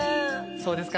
そうですか。